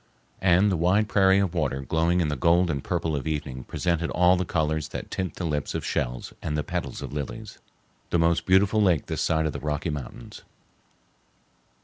And the wide prairie of water glowing in the gold and purple of evening presented all the colors that tint the lips of shells and the petals of lilies—the most beautiful lake this side of the Rocky Mountains.